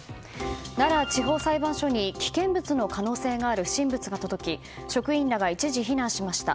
奈良地方裁判所に危険物の可能性がある不審物が届き職員らが一時避難しました。